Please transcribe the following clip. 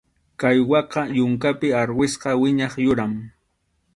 Caiguaqa yunkapi arwispa wiñaq yuram.